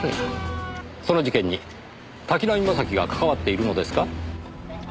その事件に滝浪正輝が関わっているのですか？